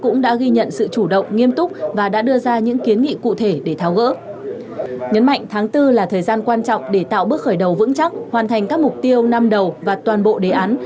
nhấn mạnh tháng bốn là thời gian quan trọng để tạo bước khởi đầu vững chắc hoàn thành các mục tiêu năm đầu và toàn bộ đề án